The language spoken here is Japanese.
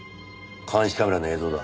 監視カメラの映像だ。